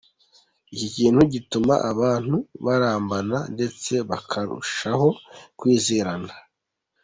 Iki kintu gituma abantu barambana ndetse bakarushaho kwizerana.